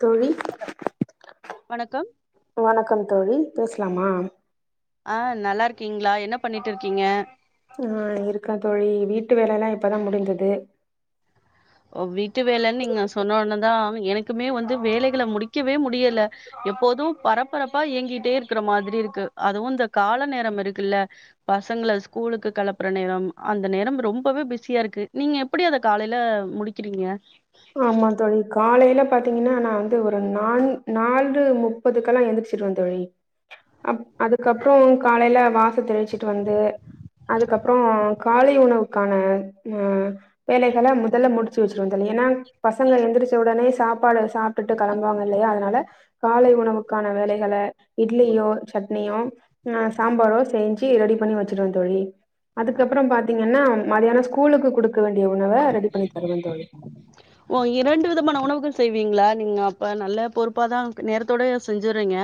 தோழி வணக்கம். வணக்கம் தோழி பேசலாமா? ஆ நல்லா இருக்கீங்ளா என்ன பண்ணிட்டுருக்கீங்க? ஆ இருக்கே தோழி வீட்டு வேல எல்லா இப்பதா முடிந்தது. ஒ வீட்டு வேலைன்னு நீங்க சொன்னவுட்னதா எனக்குமே வந்து வேலைகள முடிக்கவே முடியல. எப்போது பரபரப்பா இயங்கிட்டே இருக்கிற மாதிரி இருக்கு. அதுவு இந்த கால நேரம் இருக்குல்ல பசங்கள ஸ்கூலுக்கு கெளப்பற நேரம் அந்த நேரம் ரொம்பவே பிசியா இருக்கு நீங்க எப்பிடி அத காலைல முடிக்கிறீங்க? ஆமா தோழி காலைல பாத்தீங்கன்னா நா வந்து ஒரு நான் நான்று முப்பதுக்கெல்லா எந்திரிச்சுருவே தோழி அப் அதுக்கப்றோ காலைல வாசல் தெளிச்சுட்டு வந்து அதுக்கப்புறோ காலை உணவுக்கான ஆ வேலைகள முதல்ல முடிச்சு வச்சிருவே தோழி ஏன்னா பசங்க எந்திரச்ச உடனே சாப்பாடு சாப்ட்டுட்டு கெளம்புவாங்க இல்லையா அதனால காலை உணவுக்கான வேலைகள இட்லியோ சட்னியோ ஆ சாம்பாரோ செஞ்சு ரெடி பண்ணி வச்சிருவே தோழி. அதுக்கப்புறோ பாத்தீங்கன்னா மத்தியானோ ஸ்கூலுக்கு குடுக்க வேண்டிய உணவ ரெடி பண்ணி தருவே தோழி. ஓ இரண்டு விதமான உணவுகள் செய்வீங்களா நீங்க அப்ப நல்ல பொறுப்பாதா க் நேரத்தோட செஞ்சர்றீங்க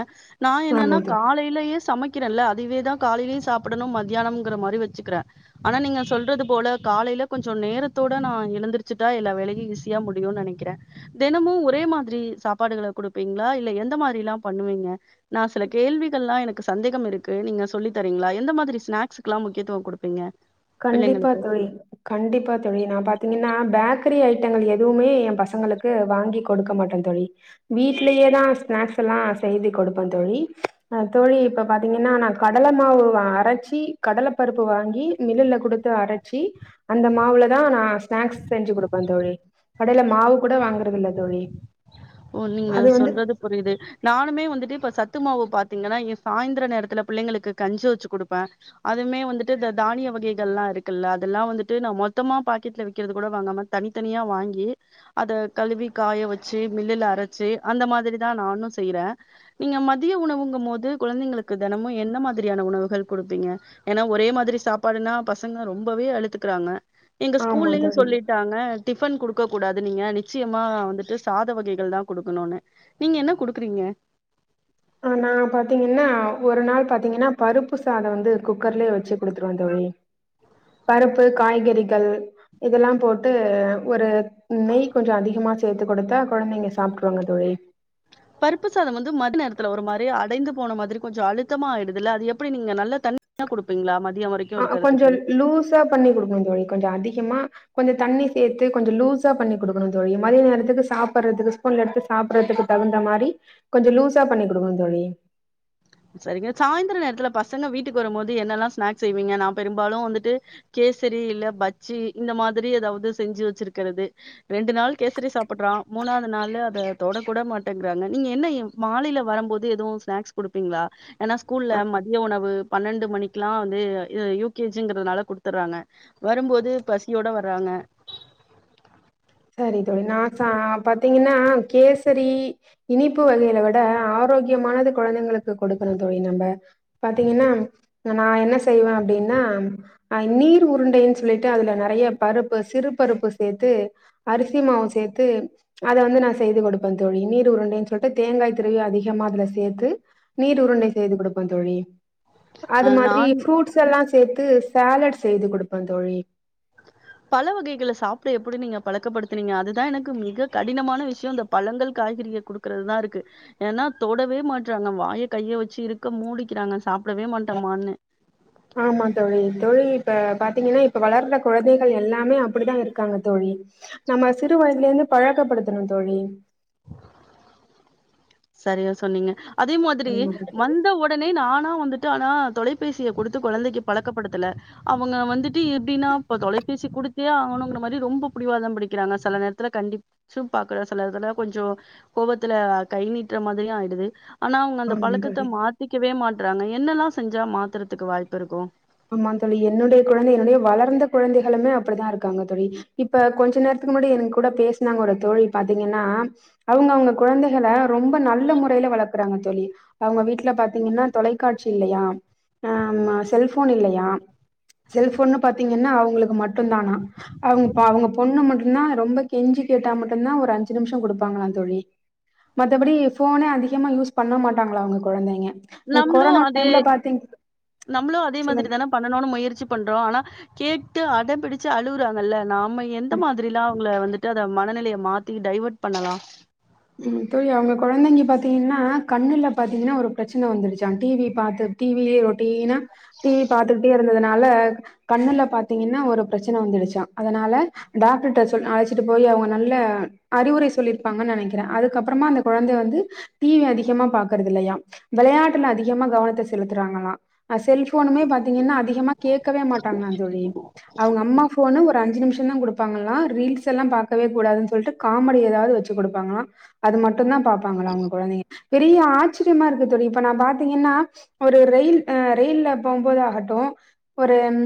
நா ஆமா என்னன்னா தோழி காலையிலயே சமை க்கிறேன்ல அதயவேதா காலயிலயு சாப்பிடணு மத்தியானம்ங்கிற மாரி வச்சுக்கறேன் ஆனா நீங்க சொல்றது போல காலைல கொஞ்ச நேரத்தோட நா எழுந்திரச்சுட்டா எல்லா வேலயு ஈசி யா முடியுன்னு நெனைக்கிறே. தெனமு ஒரே மாதிரி சாப்பாடுகள குடுப்பீங்களா இல்ல எந்த மாரி எல்லா பண்ணுவீங்க? நா சில கேள்விகள் எல்லா எனக்கு சந்தேகம் இருக்கு நீங்க சொல்லி தரீங்களா? எந்த மாதிரி ஸ்நாக்ஸ்க்லா முக்கியத்துவம் கொடுப்பீங்க கண்டிப்பா தோழி கண்டிப்பா தோழி நா பாத்தீங்கன்னா பேக்கரி ஐட்டங்கள் எதுவுமே ஏன் பசங்களுக்கு வாங்கி கொடுக்க மாட்டே தோழி. வீட்லயேதா ஸ்நாக்ஸ் எல்லா செய்து கொடுப்பே தோழி ஆ தோழி இப்ப பாத்தீங்கன்னா நா கடல மாவு அரச்சி கடலப்பருப்பு வாங்கி மில்லுல குடுத்து அரச்சி அந்த மாவுலதா நா ஸ்நாக்ஸ் செஞ்சு குடுப்பே தோழி கடைல மாவு கூட வாங்கறது இல்ல தோழி. ஓ நீங்க அது வந்து சொல்றது புரியுது நானுமே வந்து து இப்ப சத்து மாவு பாத்தீங்கன்னா எ சாயந்திர நேரத்துல பிள்ளைங்களுக்கு கஞ்சி வச்சு குடுப்பே. அதுமே வந்துட்டு இந்த தானிய வகைகள்லா இருக்குல்ல அதெல்லா வந்துட்டு நா மொத்தமா பாக்கெட்ல விக்கறது கூட வாங்காம தனித்தனியா வாங்கி அத கழுவி காய வச்சு மில்லுல அரைச்சு அந்த மாதிரிதா நானும் செய்றே நீங்க மதிய உணவுங்கும் போது குழந்தைங்களுக்கு தெனமு என்ன மாதிரியான உணவுகள் கொடுப்பீங்க? ஏன்னா ஒரே மாதிரி சாப்பாடுனா பசங்க ரொம்பவே அலு த்துக்கிறாங்க எங்க ஆமா ஸ்கூல்லயு தோழி. சொல்லிட்டாங்க டிஃபன் குடு க்க கூடாது நீங்க நிச்சயமா வந்துட்டு சா த வகைகள்தா குடுக்கணுன்னு நீங்க என்ன குடுக்கறீங்க? ஆ நா பாத்தீங்கன்னா ஒரு நாள் பாத்தீங்கன்னா பருப்பு சாதோ வந்து குக்கர்லயே வச்சு குடுத்துருவே தோழி. பருப்பு காய்கறிகள் இதெல்லா போட்டு ஒரு நெய் கொஞ்ச அதிகமா சேத்து கொடுத்தா கொழந்தைங்க சாப்ட்டுருவாங்க தோழி. பருப்பு சாதம் வந்து மதிய நேரத்துல ஒரு மாரி அடைந்து போன மாதிரி கொஞ்ச அழுத்தமா ஆயிடுதுல்ல அது எப்பிடி நீங்க நல்லா தண்ணியா குடுப்பீங்களா ம அ அ கொஞ்ச லூசா பண்ணி குடுப்பே தோழி கொஞ்ச அதிகமா கொஞ்ச தண்ணி சேத்து கொஞ்ச லூசா பண்ணி குடுக்கணு தோழி மதிய நேரத்துக்கு சாப்படறதுக்கு ஸ்பூன்ல எடுத்து சாப்படறதுக்கு தகுந்த மாரி கொஞ்ச லூஸா பண்ணி் குடுக்கணு தோழி சரிங்க சாயந்தர நேரத்துல பசங்க வீட்டுக்கு வரும் போது என்னல்லா ஸ்நாக்ஸ் செய்வீங்க நா பெரும்பாலு வந்துட்டு கேசரி இல்ல பஜ்ஜி இந்த மாதிரி எதாவது செஞ்சு வச்சிருக்கிறது ரெண்டு நாள் கேசரி சாப்பட்றா மூணாவது நாளு அத தொட கூட மாட்டேங்கறாங்க நீங்க என்ன மாலையில வரம்போது எதுவும் ஸ்நாக்ஸ் குடு ப்பீங்ளா ஏன்னா ஸ்கூல்ல மதிய உணவு பன்னெண்டு மணிக்கெல்லா வந்து இது யூ கே ஜி ங்கிறதுனால குடுத்தர்றாங்க. வரும்போது பசியோட வறாங்க சரி தோழி நா சா பாத்தீங்கன்னா கேசரி இனிப்பு வகைகள விட ஆரோக்கியமானது குழந்தைங்களுக்கு கொடுக்கணு தோழி நம்ப பாத்தீங்கன்னா ந நா என்ன செய்வே அப்டின்னா ஆ நீர் உருண்டைன்னு சொல்லிட்டு அதுல நெறைய பருப்பு சிறு பருப்பு சேத்து அரிசி மாவு சேத்து அத வந்து நா செய்து கொடுப்பே தோழி நீர் உருண்டைன்னு சொல்ட்டு தேங்காய் திருவி அதிகமா அதுல சேத்து நீர் உருண்டை செய்து கொடுப்பே தோழி அ அது மாதிரி நான் ஃப்ரூட்ஸ் எல்லா சேத்து சாலட் செய்து குடுப்பே தோழி பழ வகைகள சாப்ட எப்பிடி நீங்க பழக்கப்படுத்துனீங்க அதுதா எனக்கு மிக கடினமான விஷயோ இந்த பழங்கள் காய்கறிய குடுக்கறதுதா இருக்கு ஏன்னா தொடவே மாட்றாங்க வாய கைய வச்சு இருக்க மூடிக்கிறாங்க சாப்பிடவே மாட்டமான்னு ஆமா தோழி தோழி இப்ப பாத்தீங்கன்னா இப்ப வளர்ந்த கொழந்தைகள் எல்லாமே அப்டிதான் இருக்காங்க தோழி நம்ம சிறு வயதுலந்து பழக்கப்படுத்தணு தோழி செரியா சொன்னீங்க அதே மாதிரி ஆமா தோழி வந்த உடனே நானா வந்துட் டு ஆனா தொலைப்பேசிய குடுத்து கொழந்தைக்கு பலக்கப்படுத்தல அவுங்க வந்துட்டு எப்டின்னா இப்ப தொலைப்பேசி குடுத்தே ஆகணுன்ற மாதிரி ரொம்ப பிடிவாதாம் பிடிக்கிறாங்க செல நேரத்துல கண்டி ச்சும் பாக்கற செல நேரத்துல கொஞ்ச கோவத்துல கை நீட்ற மாதிரியும் ஆயிடுது ஆனா அவுங்க அந்த ஆமா தோழி பலக்கத்த மாத்திக்கவே மாட் என்னெல்லா செஞ்சா மாத்தறதுக்கு வாய்ப்பு இருக்கும் ஆம்மா தோழி என்னுடைய கொழந்தைகளே வளர்ந்த கொழந்தைகளுமே அப்டிதா இருக்காங்க தோழி இப்ப கொஞ்ச நேரத்துக்கு முன்னாடி என் கூட பேசுனாங்க ஒரு தோழி பாத்தீங்கன்னா அவுங்க அவுங்க கொழந்தைகள ரொம்ப நல்ல முறையல வளர்க்கறாங்க தோழி அவுங்க வீட்ல பாத்தீங்கன்னா தொலைக்காட்சி இல்லையாம் ஆ ம்மா செல்ப் ஃபோன் இல்லையாம் செல்போன்னு பாத்தீங்கன்னா அவுங்களுக்கு மட்டும் தானா அவுங் பா அவுங்க பொண்ணு மட்டும்தா ரொம்ப கெஞ்சி கேட்டா மட்டும் தா ஒரு அஞ்சு நிமிஷம் குடுப்பாங்களா தோழி மத்தபடி ஃபோனே அதிகமா யூஸ் பண்ண மாட்டாங்களா அவுங்க கொழந்தைங்க அந் நம்மளு கொரனா அதே டைம்ல பாத்தீங் நம்மளு அதே மாதிரி சொல்லுங்க தான பண்ணணுன் முயற்ச்சி பண்றோ ஆனா கேட்டு அடம் பிடிச்சு அழுறாங்கல்ல நாம் ம்ப எந்த மாதிரிலா அவுங்களா வந்துட் டு அத மனநிலையை மாத்தி டைவர்ட் பண்ணலாம் ம் தோழி அவுங்க குழந்தைங்க பாத்தீங்கன்னா கண்ணுல பாத்தீங்கன்னா ஒரு பிரச்சனை வந்துருச்சா டிவி பாத்து டிவியே ஓட் டின டிவி பாத்துக்ட்ட இருந்ததுனால கண்ணுல பாத்தீங்கன்னா ஒரு பிரச்சனை வந்துடுச்ச அதனால டாக்டர்ட்ட சொல் அழைச்சிட்டு போய் அவுங்க நல்ல அறிவுரை சொல்லிருப்பாங்க நனைக் கற அதுக்கப்புறமா அந்த குழந்தை வந்து டிவி அதிகமா பாக்கறது இல்லையாம் விளையாட்டுல அதிகமா கவனத்த செலுத்துறாங்கள அ செல்ப் ஃபோனுமே பாத்தீங்கன்னா அதிகமா கேக்கவே மாட்டாங்களா தோழி அவுங்க அம்மா ஃபோனு ஒரு அஞ்சு நிமிஷ் ன்னும் குடுப்பாங்களாம் ரீல்ஸ்ல்லாம் பாக்கவே கூடாதுன் சொல்ட்டு காமெடி ஏதாவது வச்சு கொடுப்பாங்களாம் அது மட் டும்தா பாப்பாங்களா அவுங்க குழந்தைங்க பெரிய ஆச்சரியமா இருக்கு தோழி இப்போ நா பாத்தீங்கன்னா ஒரு ரயில் ஆ ரயில்லா போம்போதாகட்டும் ஒரு ம்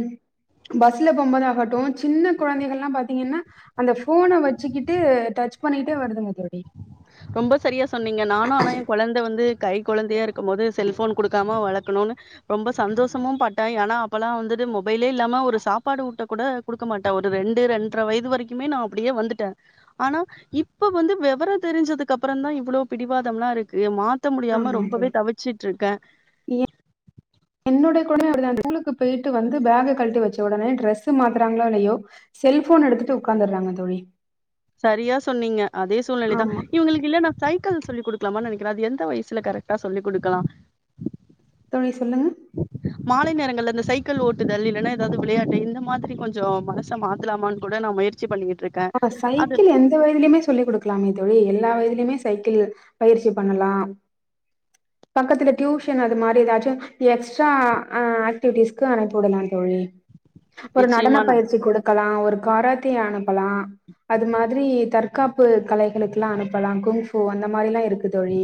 பஸ்ல போம்போதாகட்டும். சின்ன குழந்தைகள்லா பாத்தீங்கன்னா அந்த ஃபோன வச்சுக்கிட்டு டச் பண்ணிட்டே வருதுங்க தோழி ரொம்ப சரியா சொன்னீங்க. நானும் ஆனா என் குழந்தை வந்து கை குழந்தையா இருக்கும் போது செல்ஃபோன் கொடுக்காம வளர்க்கணுன் ரொம்ப சந்தோஷமும் பட்ட ஏன அப்பல்லா வந்துட்டு மொபைலே இல்லாம ஒரு சாப்பாடு ஊட்ட கூட குடுக்க மாட்டே ஒரு ரெண்டு ரெண்டரை வயது வரைக்குமே நா அப்டியே வந்துட்டே ஆனா இப்ப வந்து விவர தெரிஞ்சதுக்கு அப்புற தா இவ்ளோ பிடிவாதம்லா இருக்கு எ மாத் த்த முடியாம ஆமா ரொம்பவே தோழி தவிச்சுட்டு இருக்கேன் ஸூகூலுக்கு போயிட்டு வந்து பேகே கழட்டி வச்ச உடனே டிரெஸ்ு மாத்தறாங்களா இல்லையோ செல்ஃபோன் எடுத்துட்டு உக்காந்துறாங்க தோழி. சரியா சொன்னீங்க அதே சூழ்நிலைதா ஆமா இவுங்களுக்கு இல்லனா சைக் கிள் சொல்லி் கொடுக்கலாம்மா நனைக்கறே அது எந்த வயசுல கரெட்டா சொல்லி கொடுக்கலாம் தோழி சொல்லுங்க மாலை நேரங்கள்ள அந்த சைக்கிள் ஓட்டுதல் இல்லன்னா ஏதாவது விளையாட்டு இந்த மாதிரி கொஞ்சம் மனச மாத்தலாமான் கூட நா முயற்சி பண்ணிட் ஆ சைக்கிள் எந்த வயதிலயுமே சொல்லி குடுக்கலாமே தோழி எல்லா வயதி லயுமே சைக்கிள் பயிற்சி பண்ணலா பக்கத்துல டியூஷன் அது மாரி எதாச்சு எக்ஸ்ட்ரா ஆ ஆக்டிவிட்டீஸ்க்கு அனுப்பி விடலா தோழி ஒரு நடன நிச்சயமா நா பயிற்சி குடுக்கலா ஒரு கரா க்கு அனு ப்பலா அது மாதிரி தற்காப்பு கலைகளுக்கல்லா அனுப்பலா குங்ஃபூ அந்த மாரிலா இரு க்கு தோழி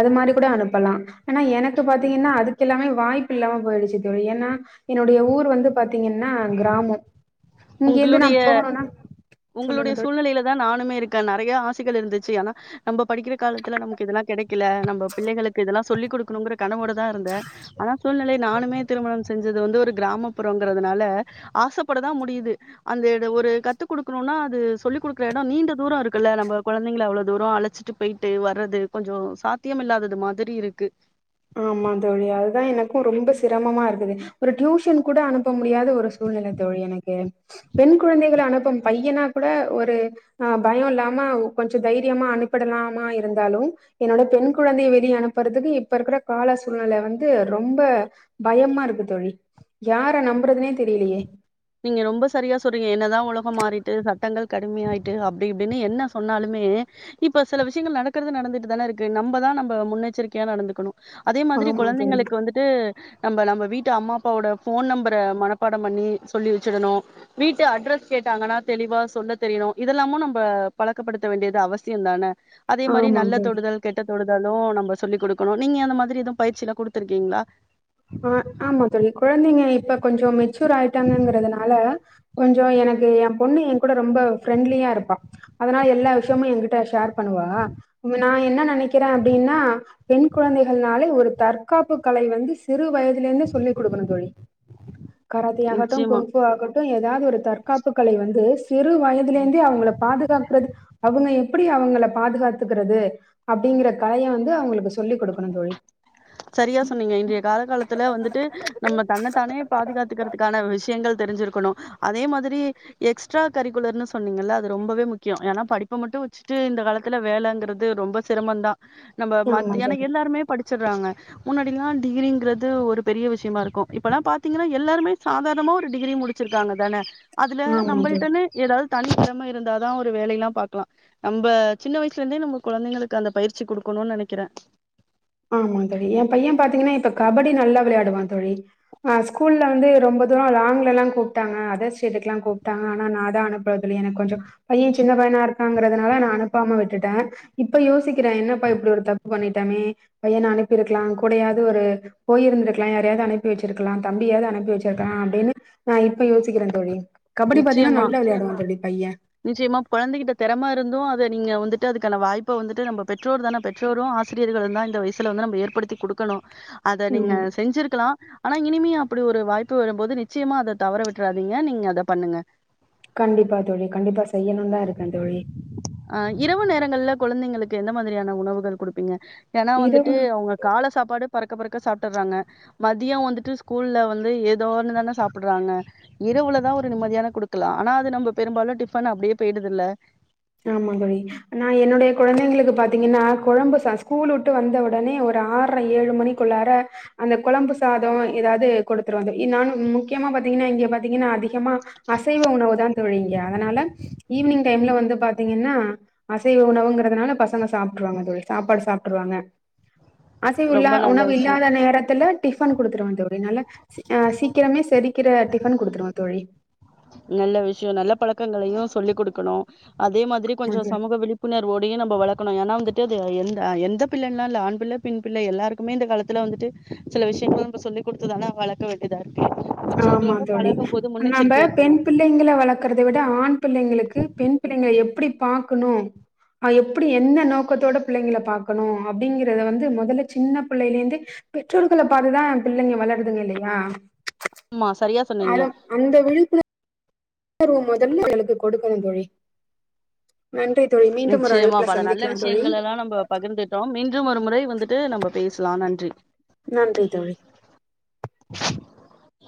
அது மாரி கூட அனுப்பலா ஆனா எனக்கு பாத்தீங்கன்னா அதுக்கெல்லாமே வாய்ப்பு இல்லாம போயிடுச்சு தோழி ஏன்னா என்னுடைய ஊர் வந்து பாத்தீங்கன்னா கிராமோ இங்க இருந்து நா உங்களுடைய போகணுன்னா உங்களுடைய சூழ்நிலைலதா அ நானுமே இருக்க நெறைய ஆசைகள் இருந்துச்சு ஆனா நம்ப படிக்கிற காலத்துல நமக்கு இதெல்லா கெடைக்கல நம்ப பிள்ளைகளுக்கு இதல்லா சொல்லி குடுக்கணுங்கற கனவோட தா இருந்தே ஆனா சூழ்நிலை நானுமே திருமணம் செஞ் இது இது வந்து ஒரு கிராமப்புறோங்கிறதுனால ஆசப்பட தா முடியுது அந்த எட ஒரு கத்து குடுக்கணுன்னா அது சொல்லி் குடுக்குற எடோ நீண்ட தூரோ இருக்குல்ல நம்ம கொழந்தைங்கள அவ்ளோ தூரோ அழைச்சிட்டு போயிட்டு வர்றது கொஞ்சோ சாத்தியம் இல்லாதது மாதிரி இருக்கு ஆமா தோழி அதுதா எனக்கு ரொம்ப சிரமமா இருக்குது. ஒரு டியூஷன் கூட அனுப்ப முடியாத ஒரு சூழ்நிலை தோழி எனக்கு. பெண் குழந்தைகள அனுப்பம் பையன்னா கூட ஒரு ஆ பயோ இல்லாம கொஞ்ச தைரியமா அனுப்பிடலாமா இருந்தாலு என்னோட பெண் குழந்தைய வெளிய அனுப்புறதுக்கு இப்ப இருக்குற கால சூழ்நெல வந்து ரொம்ப பயமா இருக்கு தோழி யார நம்புறதுனே தெரியலயே நீங்க ரொம்ப சரியா சொல்றீங்க என்னதா உலகோ மாறிட்டு சட்டங்கள் கடுமையாயிட்டு அப்டி இப்டின்னு என்ன சொன்னாலுமே இப்ப சில விஷயங்கள் நடக்கறது நடந்துட்டுதான இருக்கு நம்பதா நம்ப முன்னெச்சரிக்கையா நடந்துக்கணு அதே மாதிரி ஆமா தோழி கொழந்தைங்களுக்கு வந்துட்டு நம்ப நம்ம வீட்டு அம்மா அப்பாவோட ஃபோன் நம்பர மனப்பாடம் பண்ணி சொல்லி வச்சுடணு வீட்டு அட்ரஸ் கேட்டாங்கன்னா தெளிவா சொல்ல தெரியணு இதெல்லாமு நம்ப பழக்கப்படுத்த வேண்டியது அவசியந்தான அதே மாரி ஆமா நல்ல தோழி தொடுதல் கெட்ட தொடுதல் அதுவு நம்ப சொல்லி் குடுக்கணு நீங்க அந்த மாதிரி எதும் பயிற்சி எல்லா குடுத்துருக்கீங்ளா ஆ ஆமா தோழி குழந்தைங்க இப்ப கொஞ்சோ மெச் சூர் ஆயிட்டாங்கங்கறதுனால கொஞ்சோ எனக்கு ஏன் பொண்ணு எங்கூட ரொம்ப ஃப்ரெண்ட்லியா இருப்பா அதனால எல்லா விஷயமு எங்கிட்ட ஷேர் பண்ணுவா ம் நா என்ன என்ன நெனக்கிற அப்டின்னா பெண் குழந்தைகள்னாலே ஒரு தற்காப்பு கலை வந்து சிறு வய துலேர்ந்தே சொல்லி குடுக்கணு தோழி கராத்தே ஆகட்டு நிச்சயமா. குங்ஃபூ ஆக ட்டு எதாவது ஒரு தற்காப்பு கலை வந்து சிறு வயதிலிருந்தே அவங்கள பாதுகாக்கிறது அவங்க எப்பிடி அவங்கள பாதுகாத்துக்கிறது அப்டிங்கற கலைய வந்து அவுங்களுக்கு சொல்லி் கொடுக்கணு தோழி சரியா சொன்னீங்க இன்றைய கால காலத்துல வந்துட்டு நம்ம தன்னத்தானே பாதுகாத்துக்கிறதுக்கான விஷயங்கள் தெரிஞ்சிருக்கணு அதே மாதிரி எக்ஸ்ட்ரா கரிக்குலர்ன்னு சொன்னீங்கல்ல அது ரொம்பவே முக்கியோ ஏன்னா படிப்ப மட்டு வச்சுட்டு இந்த காலத்துல வேலங்கிறது ரொம்ப சிரமந்தா. நம்ப மத் ஆமா ஏன்னா தோழி எல்லாருமே படி ச்சர்றாங்க முன்னாடி எல்லா டிகிரிங்கிறது ஒரு பெரிய விஷயமா இருக்கு இப்பெல்லா பாத்தீங்கன்னா எல்லாருமே சாதாரணமா ஒரு டிகிரி முடிச்சிருக்காங்கதான அதுல ஆமா தோழி நம்பள்ட்டனு எதாவ்து தனித்திறமை இருந்தாதான் ஒரு வேலைலாம் பாக்கலாம் நம்ம சின்ன வயசுல இருந்தே நம்ம கொழந்தைங்களுக்கு அந்த பயிற்சி கொடுக்கணும்னு நெனைக்கிறேன் ஆமா தோழி என் பையன் பாத்தீங்கன்னா இப்ப கபடி நல்லா வெளையாடுவான் தோழிஆ ஸ்கூல்ல வந்து ரொம்ப தூரம் லாங்லா கூப்டாங்க அதர்ஸ்டேட்டுக்குலாம் கூப்புட்டாங்க ஆனா நாதா அனுபல து எனக்கு கொஞ்சோம் பையன் சின்ன பையனா இருக்கா ங்குறதுனால நான் அனுப்பாமல விட்டேன் இப்ப யோசி என்னப்பா இப்படி ஒரு தப்பு பண்ணிட்டு விட்டோமே பையன அனுப்பி இருக்கலாம் கூடயாவது ஒரு போய் இருந்திருக்கலாம் யாரையாவது அனுப்பி வைச்சிருக்கலாம் தம்பியாவது அனுப்பி வைச்சிருக்கலாம் அப்படின்னு நான் இப்ப யோசிக்கிறேன் தோழி கபடி பாத்தீங்கன்னா, நிச்சயமா நல்லா விளையாடுவான் தோழி பையன். நிச்சயமா கொழந்தைகிட்ட தெறம இருந்தும் நீங்க வந்துட்டு அதுக்கான வாய்ப்ப வந்துட்டு நம்ம பெற்றோர் தான பெற்றோரும் ஆசிரியர்களும் தான் இந்த வயசில வந்து நம்ம ஏற்படுத்தி கொடுக்கணும் அத நீங்க ம். செஞ்சிருக்கலாம் ஆனா இனிமே அப்படி ஒரு வாய்ப்பு வரும்போது நிச்சயமா அத தவர விட்றாதீங்க நீங்க அத அதை பண்ணுங்க கண்டிப்பா தோழி கண்டிப்பா செய்யணும்னு தான் இருக்கேன் தோழி. ஆஹ் இரவு நேரங்கள்ல கொழந்தைங்களுக்கு எந்த மாதிரியான உணவுகள் கொடுப்பீங்க ஏன்னா வந்துட்டு இரவு அவங்க கால சாப்பாடு பறக்க பறக்க சாப்பிடுறாங்க மதியம் வந்துட்டு ஸ்கூல்ல வந்து ஏதோனு தானே சாப்பிடுறாங்க இரவுலதான் ஒரு நிம்தியான கொடுக்கலாம் ஆனா அது நம்ம பெரும்பாலும் டிபன் அப்படியே போய்டுதுல ஆமா தோழி நான் என்னுடைய குழந்தைங்களுக்கு பாத்தீங்கன்னா குழம்பு சாதம் ஸ்கூல் விட்டு வந்த உடனே ஒரு ஆற ஏழு மணிக்குள்ளார அந்த குழம்பு சாதம் ஏதாவது கொடுத்துருவவோம் நானும் முக்கியமா பா்த்தீங்கன்னா இங்க பாத்தீங்கன்னா அதிகமா அசைவ உணவு தான் தோழி இங்க அதனால ஈவினிங் டைம்ல வந்து பாத்தீங்கன்னா அசைவ உணவுங்கறதுனால பசங்க சாப்பிருவாங்க அதோட சாப்பாடு சாப்பிட்டுருவாங்க அசைவ ரொம்ப நல்ல உணவு விஷயம். இல்லாத நேரத்துல டிஃபன் குடுத்துருவன் தோழி நல்ல சீக்கிரமே செரிக்கிற டிஃபன் குடுத்துருவேன் தோழி நல்ல விஷயம் நல்ல பழக்கங்களையும் சொல்லி் கொடுக்கணும் அதே மாதிரி ஆமா கொஞ்சம் தோழி. சமக விழிப்புணர்வோடையும் நம் வளர்க்கணும் ஏன்னா வந்துட்டு எந்த எந்த பிள்ளைன்னால ஆண் பிள்ளை பெண் பிள்ளை எல்லாருக்குமே இந்த காலத்துல வந்துட்டு சில விஷயங்கள் நம்ம சொல்லி கொடுத்ததானே வளர்க்க வேண்டியதா இருக்கு ஆமா மற்றவங்களோட தோழி பழகும் போது நம்ப முன்னெச்சரிக்கையா இருக்கணு பெண் பிள்ளைங்களை வளர்க்கறதை விட ஆண் பிள்ளைங்களுக்கு பெண் பிள்ளைங்களை எப்படி பாார்கக்கணும் எப்படி எந்த நோக்கத்தோட பிள்ளைங்க பார்கக்கணும் அப்படிங்கறத வந்து முதல்ல சின்ன பிள்ளைையில இருந்து பெற்றோர்களை பார்த்துதான் பிள்ளைங்க வளருதுங்க இல்லையா ஆமா சரியா சொன்னீங்க அத அந்த விழிப்புணர் ணர்வு முதல்ல இவுங்களுக்கு கொடுக்கணும் தோழி நன்றி தோழி மீண்டும் ஒரு நிச்சயமா அழைப்புல பல நல்ல சந்திக்கலா தோழி விஷயங்கள் எல்லாம் நம்ம பகிர்ந்துட்டோம் மீண்டும் ஒரு முறை வந்துட்டு நம்ம பேசலாம் நன்றி நன்றி தோழி [inaudible]